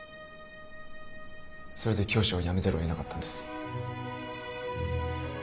それで教師を辞めざるを得なかったんです。